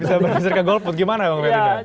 bisa berhasil ke golput gimana bang ferdinand